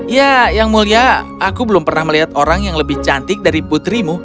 ya yang mulia aku belum pernah melihat orang yang lebih cantik dari putrimu